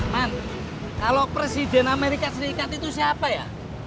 man kalau presiden amerika serikat itu siapa ya